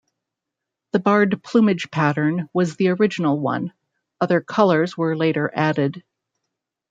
The barred plumage pattern was the original one; other colors were later added.